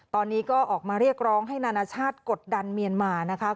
ตอนนี้ก็ออกมาเรียกร้องให้นานาชาติกดดันเมียนมานะคะ